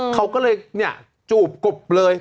เขาก็เลยจูบกบเลย